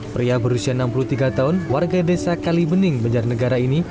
pria berusia enam puluh tiga tahun warga desa kalibening banjarnegara ini